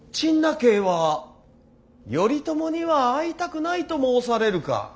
陳和は頼朝には会いたくないと申されるか。